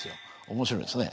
面白いんですね。